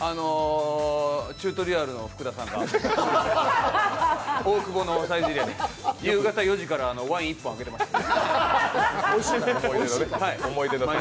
チュートリアルの福田さんが大久保のサイゼリヤに夕方４時からワイン１本開けてました。